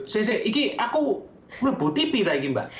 si si ini aku aku mau buat tv tak ini mbak